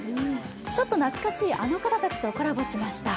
ちょっと懐かしいあの方たちとコラボしました。